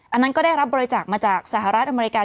อันนั้นก็ได้รับบริจาคมาจากสหรัฐอเมริกา